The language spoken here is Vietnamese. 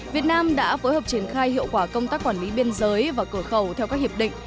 việt nam đã phối hợp triển khai hiệu quả công tác quản lý biên giới và cửa khẩu theo các hiệp định